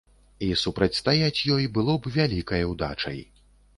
І супрацьстаяць ёй было б вялікай удачай.